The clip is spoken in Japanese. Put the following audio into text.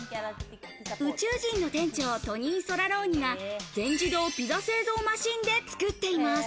宇宙人の店長トニー・ソラローニが全自動ピザ製造マシンで作っています。